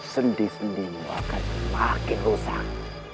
sendi sendi mu akan semakin rusak